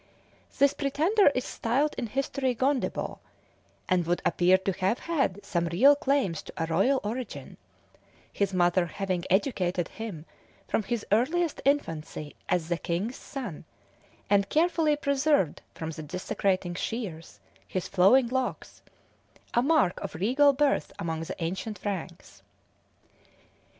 This pretender is styled in history Gondebaud, and would appear to have had some real claims to a royal origin, his mother having educated him from his earliest infancy as the king's son, and carefully preserved from the desecrating shears his flowing locks a mark of regal birth amongst the ancient Franks.